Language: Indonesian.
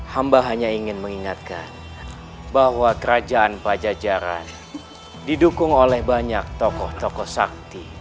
hamba hanya ingin mengingatkan bahwa kerajaan pajajaran didukung oleh banyak tokoh tokoh sakti